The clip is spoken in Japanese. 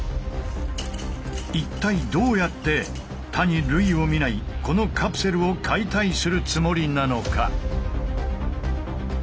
一体どうやって他に類を見ないこのカプセルを解体するつもりなのか？